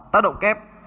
tác động kép